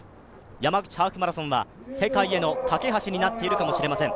山口ハーフマラソンは世界への懸け橋になっているかもしれません。